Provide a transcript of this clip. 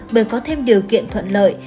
bởi có thêm điều kiện thuận lợi